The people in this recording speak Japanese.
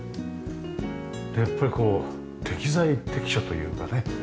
でやっぱりこう適材適所というかね。